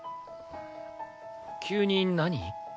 急に何？